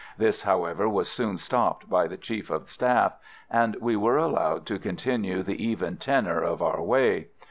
This, however, was soon stopped by the Chief of the Staff, and we were allowed to continue the even tenour of our way.